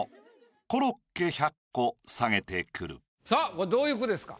これどういう句ですか？